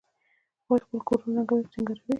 هغوی خپل کورونه رنګوي او سینګاروي